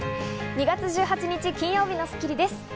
２月１８日、金曜日の『スッキリ』です。